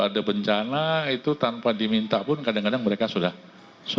begitu ada bencana itu tanpa diminta pun kadang kadang mereka sudah oke ya